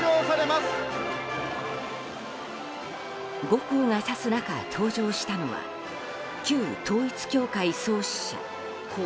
後光が差す中、登場したのは旧統一教会創始者故